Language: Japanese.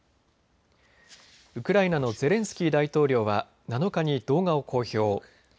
ウクライナのゼレンスキー大統領は７日に動画を公表。